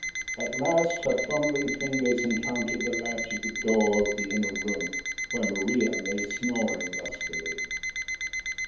At last her fumbling fingers encountered the latch of the door of the inner room where Maria lay snoring lustily.